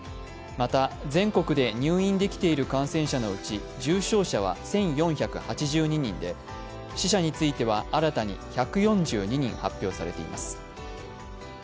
また、全国で入院できている感染者のうち重症者は１４８２人で、死者については新たに１４２人発表されています。